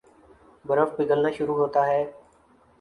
برف پگھلنا شروع ہوتا ہے